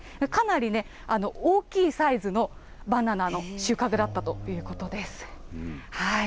かなりね、大きいサイズのバナナの収穫だったということです。